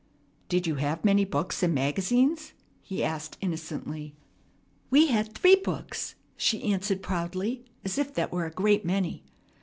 "Did you have many books and magazines?" he asked innocently. "We had three books!" she answered proudly, as if that were a great many.